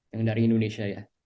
yang dari indonesia ya